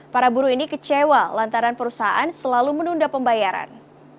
para buruh ini kecewa lantaran perusahaan selalu menunda pembayaran